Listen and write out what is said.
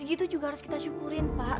segitu juga harus kita syukurin pak